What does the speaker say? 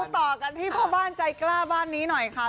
ต่อกันที่พ่อบ้านใจกล้าบ้านนี้หน่อยค่ะ